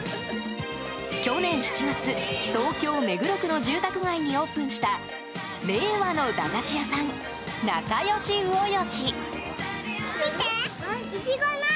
去年７月、東京・目黒区の住宅街にオープンした令和の駄菓子屋さんなかよし・うおよし。